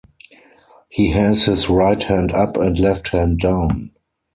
He has his right hand up and left hand down.